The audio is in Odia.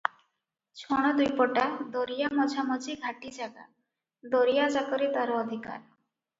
ଛଣଦ୍ୱୀପଟା ଦରିଆ ମଝାମଝି ଘାଟି ଜାଗା, ଦରିଆଯାକରେ ତାର ଅଧିକାର ।